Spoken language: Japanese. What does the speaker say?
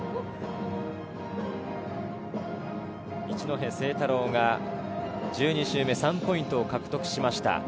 一戸誠太郎が１２周目、３ポイントを獲得しました。